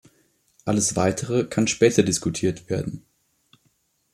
Alles weitere kann später diskutiert werden.